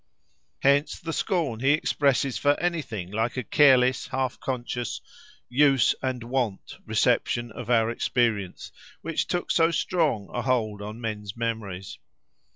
Hence the scorn he expresses for anything like a careless, half conscious, "use and wont" reception of our experience, which took so strong a hold on men's memories!